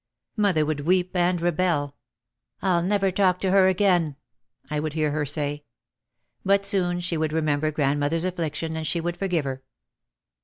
Mother would weep and rebel. "I'll never talk to her again," I would hear her say. But soon she would remember grandmother's affliction and she would forgive her.